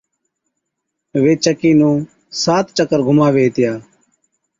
وي چڪِي نُون سات چڪر گھُماوي ھِتيا